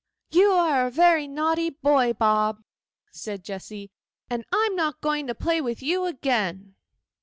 You are a very naughty boy, Bob,' said Jessy, 'and I am not going to play with you again.